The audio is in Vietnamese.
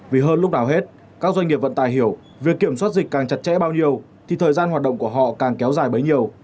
vì hơn lúc nào hết các doanh nghiệp vận tài hiểu việc kiểm soát dịch càng chặt chẽ bao nhiêu thì thời gian hoạt động của họ càng kéo dài bấy nhiêu